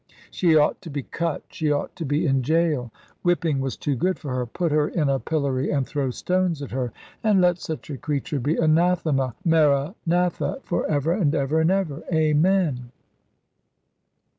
She ought to be cut; she ought to be in gaol; whipping was too good for her; put her in a pillory and throw stones at her. And let such a creature be anathema maranatha for ever and ever and ever, Amen.